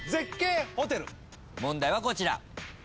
問題はこちら。